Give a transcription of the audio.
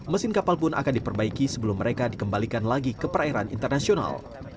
mesin kapal pun akan diperbaiki sebelum mereka dikembalikan lagi ke perairan internasional